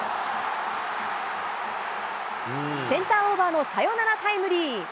センターオーバーのサヨナラタイムリー。